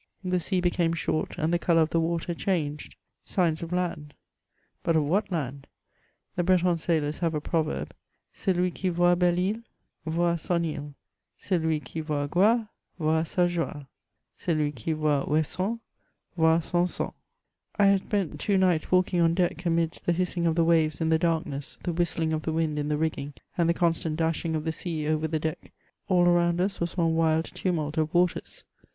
The sea became short, and the colour of the water changed, signs of land ; but of what land ? The Breton sailors have a proverb: " Celui qui voit Belle Isle, voit son ile ; celui qui voit Groie, voit sa joie ; celui qui voit OuCssant, yoit son sang." I had spent two nights walking on deck, amidst the hissing of the waves in the darkness, the whistling of the wind in the rig^ng, and the constant dashing of the sea over the deck ; all around us was one wild tumult of waters.